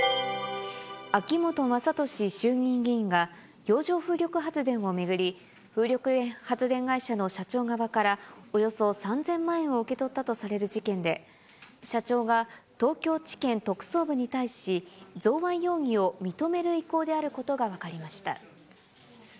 秋本真利衆議院議員が、洋上風力発電を巡り、風力発電会社の社長側から、およそ３０００万円を受け取ったとされる事件で、社長が東京地検特捜部に対し、贈賄容疑を認める意向であることが分かりました。